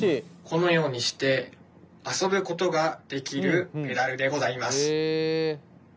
このようにして遊ぶことができるペダルでございます。